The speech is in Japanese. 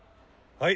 はい。